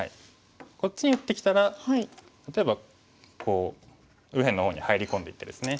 こっちに打ってきたら例えばこう右辺の方に入り込んでいってですね。